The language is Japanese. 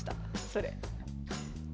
それ。